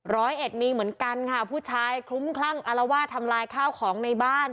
ร้อยเอ็ดมีเหมือนกันค่ะผู้ชายคลุ้มคลั่งอารวาสทำลายข้าวของในบ้าน